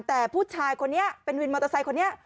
แต่ผู้ชายคนนี้เป็นวินมอเตอร์ไซค์คนนี้